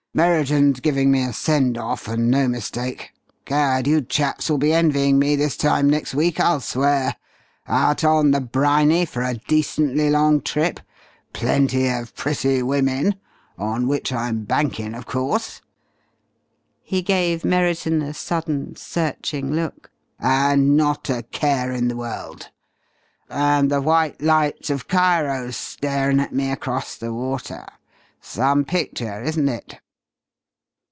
Merriton's giving me a send off and no mistake. Gad! you chaps will be envying me this time next week, I'll swear! Out on the briny for a decently long trip; plenty of pretty women on which I'm bankin' of course" he gave Merriton a sudden, searching look, "and not a care in the world. And the white lights of Cairo starin' at me across the water. Some picture, isn't it?"